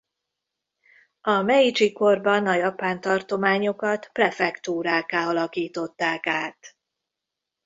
A Meidzsi-korban a Japán tartományokat prefektúrákká alakították át.